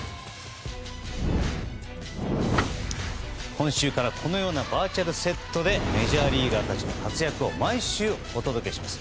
今週からこのようなバーチャルセットでメジャーリーガーたちの活躍を毎週お届けします。